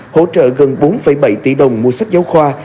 hỗ trợ gần bốn bảy tỷ đồng mua sách giáo khoa